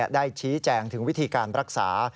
ได้ชี้แจงถึงวิธีการรักษา